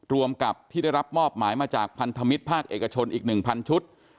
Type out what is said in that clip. รวมกับที่ได้รับมอบหมายมาจากพันธมิตรภาคเอกชนอีก๑๐๐ชุด